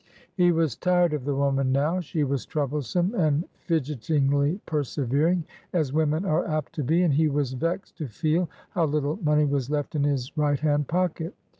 He was tired of the woman now she was troublesome, and fidgetingly persevering, as women are apt to be, and he was vexed to feel how little money was left in his right hand pocket.